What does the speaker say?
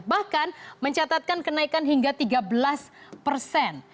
bahkan mencatatkan kenaikan hingga tiga belas persen